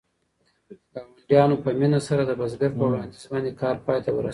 ګاونډیانو په مینه سره د بزګر په وړاندیز باندې کار پای ته ورساوه.